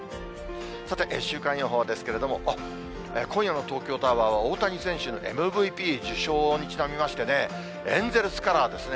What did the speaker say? さて、週間予報ですけれども、今夜の東京タワーは、大谷選手のＭＶＰ受賞にちなみまして、エンゼルスカラーですね。